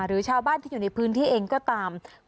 หรือชาวบ้านที่อยู่ในพื้นที่เองก็ตาม